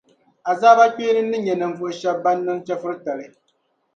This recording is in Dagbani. Azaabakpeeni ni nya ninvuɣu shɛba ban niŋ chɛfuritali.